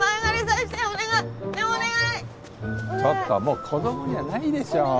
ちょっともう子供じゃないでしょう。